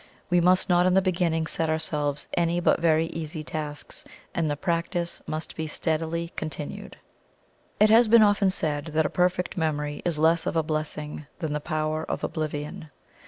We must not in the beginning set ourselves any but very easy tasks, and the practice must be steadily continued. It has been often said that a perfect memory is less of a blessing than the power of oblivion.